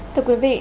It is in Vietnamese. thưa quý vị